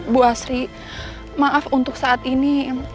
bu asri maaf untuk saat ini